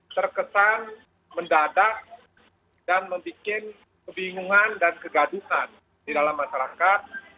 terkesan mendadak dan membuat kebingungan dan kegaduhan di dalam masyarakat